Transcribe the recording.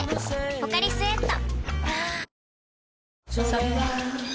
「ポカリスエット」